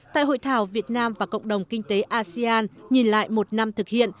tại hội thảo việt nam và cộng đồng kinh tế asean nhìn lại một năm thực hiện